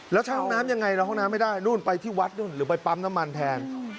แล้วถ้าห้องน้ำยังไงห้องน้ำไม่ได้ไปที่วัดหรือไปปั๊มน้ำมันแทน